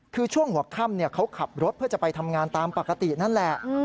คือช่วงหัวค่ำเขาขับรถเพื่อจะไปทำงานตามปกตินั่นแหละ